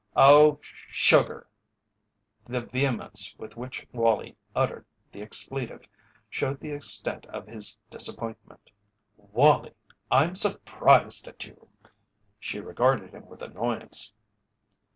"Oh sugar!" The vehemence with which Wallie uttered the expletive showed the extent of his disappointment. "Wallie! I'm surprised at you!" She regarded him with annoyance.